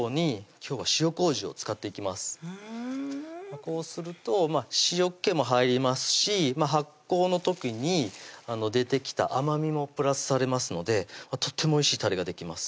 こうすると塩っけも入りますし発酵の時に出てきた甘みもプラスされますのでとってもおいしいたれができます